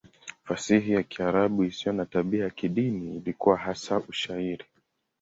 Fasihi ya Kiarabu isiyo na tabia ya kidini ilikuwa hasa Ushairi.